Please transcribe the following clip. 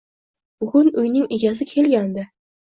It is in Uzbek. -Bugun uyning egasi kelgandi